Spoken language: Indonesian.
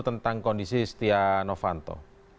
tentang kondisi setia novanto